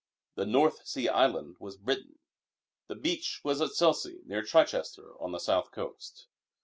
The North Sea Island was Britain; the beach was at Selsey near Chichester on the South Coast.